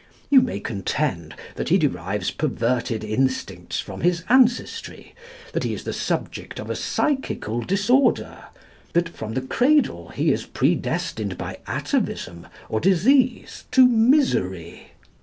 You may contend, that he derives perverted instincts from his ancestry, that he is the subject of a psychical disorder, that from the cradle he is predestined by atavism or disease to misery.